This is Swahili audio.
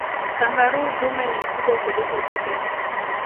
kangaroo dume ni mkubwa kuliko jike